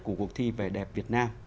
của cuộc thi về đẹp việt nam